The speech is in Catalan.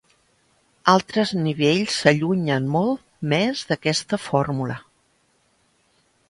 Altres nivells s'allunyen molt més d'aquesta fórmula.